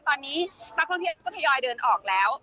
ตอนนี้นักท่องเที่ยวก็ทยอยเดินออกแล้ว